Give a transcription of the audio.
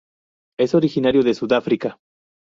Es originario de Sudáfrica.